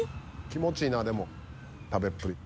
気持ちいいなでも食べっぷり。